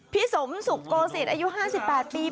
พี่สมศุกร์โกศิษย์อายุ๕๘ปี